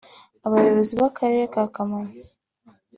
Abayobozi b’akarere ka Karongi